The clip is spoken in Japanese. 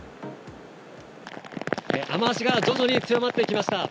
雨足が徐々に強まってきました。